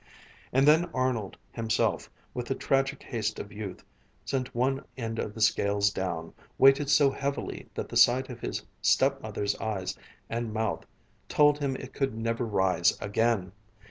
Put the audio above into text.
And then Arnold himself, with the tragic haste of youth, sent one end of the scales down, weighted so heavily that the sight of his stepmother's eyes and mouth told him it could never rise again.